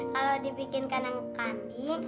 kalau dibikin kanakambi